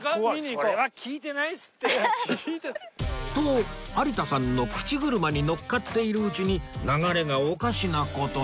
と有田さんの口車にのっかっているうちに流れがおかしな事に